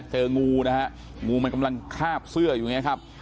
เจองูนะฮะงูมันกำลังคาบเสื้ออยู่อย่างนี้ครับ